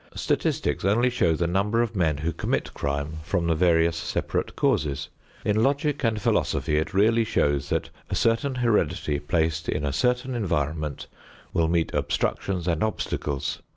Statistics only show the number of men who commit crime from the various separate causes. In logic and philosophy it really shows that, a certain heredity placed in a certain environment, will meet obstructions and obstacles.